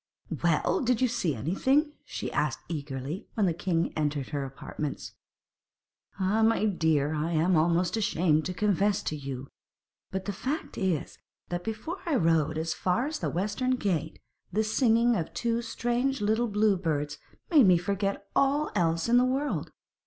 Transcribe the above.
'Well! did you see anything?' she asked eagerly, when the king entered her apartments. 'Ah, my dear, I am almost ashamed to confess to you. But the fact is that before I rode as far as the western gate the singing of two strange little blue birds made me forget all else in the world.